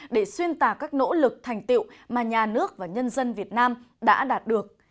để xuyên tạc các nỗ lực thành tiệu mà nhà nước và nhân dân việt nam đã đạt được